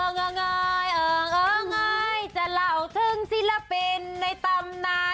เงายเออไงจะเล่าถึงศิลปินในตำนาน